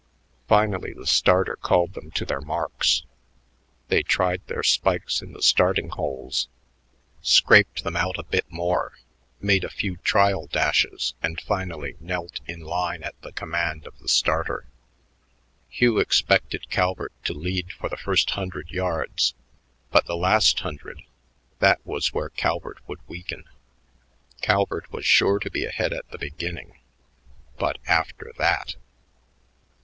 Finally the starter called them to their marks. They tried their spikes in the starting holes, scraped them out a bit more, made a few trial dashes, and finally knelt in line at the command of the starter. Hugh expected Calvert to lead for the first hundred yards; but the last hundred, that was where Calvert would weaken. Calvert was sure to be ahead at the beginning but after that!